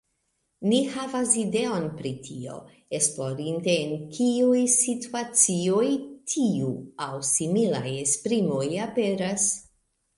Ni havos ideon pri tio, esplorinte en kiuj situacioj tiu aŭ similaj esprimoj aperas.